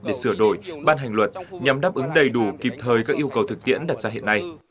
để sửa đổi ban hành luật nhằm đáp ứng đầy đủ kịp thời các yêu cầu thực tiễn đặt ra hiện nay